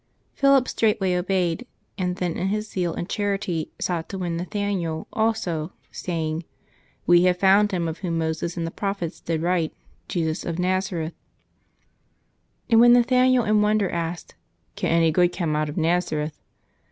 Philip straightway obeyed; and then in his zeal and charity sought to win Nathaniel also, sajdng, "We have found Him of Whom Moses and the prophets did write, Jesus of Nazareth;" and when Nathaniel in wonder asked, " Can any good come out of Nazareth